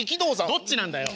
どっちなんだよ。